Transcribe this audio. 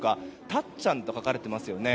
たっちゃんと書かれていますよね。